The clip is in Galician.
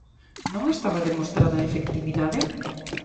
¿Non estaba demostrada a efectividade?